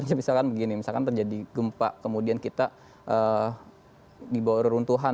misalkan begini misalkan terjadi gempa kemudian kita dibawa reruntuhan